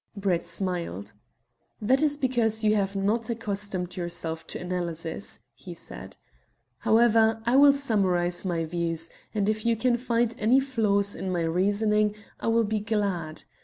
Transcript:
Brett smiled. "That is because you have not accustomed yourself to analysis," he said. "However, I will summarise my views, and if you can find any flaws in my reasoning I will be glad.